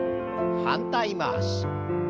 反対回し。